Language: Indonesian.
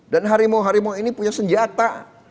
dan harimau harimau ini punya senjata